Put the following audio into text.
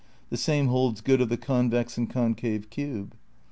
The same holds good of the convex emd concave cube.